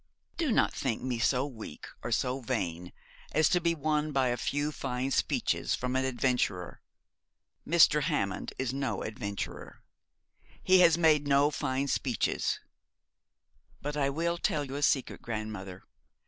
Do not think me so weak or so vain as to be won by a few fine speeches from an adventurer. Mr. Hammond is no adventurer, he has made no fine speeches but, I will tell you a secret, grandmother.